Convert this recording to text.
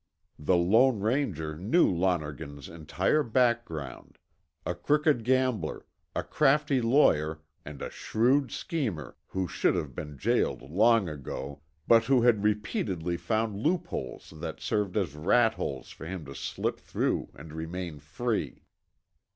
The Lone Ranger knew Lonergan's entire background; a crooked gambler, a crafty lawyer, and a shrewd schemer, who should have been jailed long ago, but who had repeatedly found loopholes that served as ratholes for him to slip through and remain free.